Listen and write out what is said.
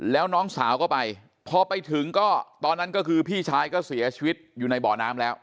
แล้วน้องสาวก็ไปพอไปถึงก็ตอนนั้นก็คือพี่ชายก็เสียชีวิตอยู่ในบ่อน้ำแล้ว